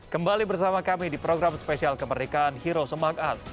kembali bersama kami di program spesial kemerdekaan heroes among us